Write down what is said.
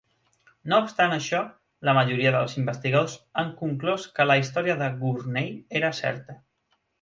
No obstant això, la majoria dels investigadors han conclòs que la història de Gurney era certa.